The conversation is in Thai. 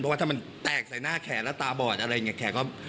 ว่าถ้ามันแตกใส่หน้าแขนแล้วตาบอดอะไรอย่างนี้